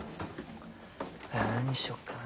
何にしよっかな。